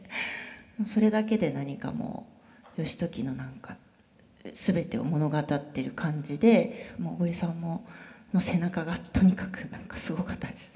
それだけで何かもう義時の全てを物語ってる感じで小栗さんの背中がとにかくすごかったです。